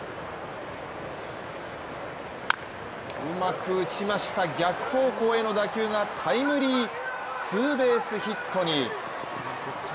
うまく打ちました、逆方向への打球がタイムリーツーベースヒットに。